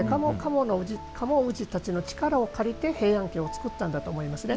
賀茂氏たちの力を借りて平安京をつくったんだと思いますね。